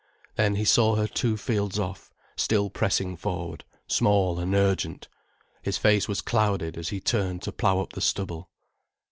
Then he saw her two fields off, still pressing forward, small and urgent. His face was clouded as he turned to plough up the stubble.